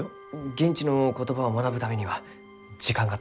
現地の言葉を学ぶためには時間が足らんと。